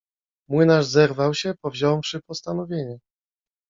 Młynarz zerwał się, powziąwszy postanowienie.